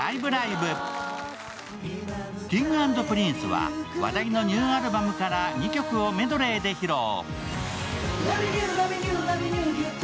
Ｋｉｎｇ＆Ｐｒｉｎｃｅは話題のニューアルバムから２曲をメドレーで披露。